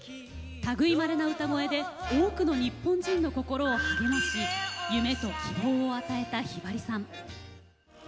たぐいまれな歌声で多くの日本人の心を励まし夢と希望を与えた、ひばりさん。